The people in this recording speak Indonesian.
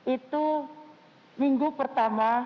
itu minggu pertama